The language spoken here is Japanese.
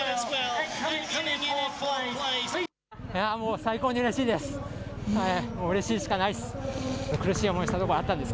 最高にうれしいです。